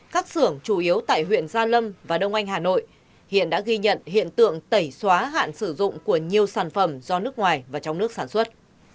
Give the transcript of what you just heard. các xưởng chủ yếu tại huyện gia lâm và đông anh hà nội hiện đã ghi nhận hiện tượng tẩy xóa hạn sử dụng của nhiều sản phẩm do nước ngoài và trong nước sản xuất